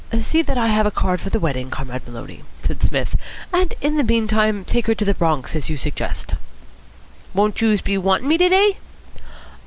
"See that I have a card for the wedding, Comrade Maloney," said Psmith, "and in the meantime take her to the Bronx, as you suggest." "Won't youse be wantin' me to day."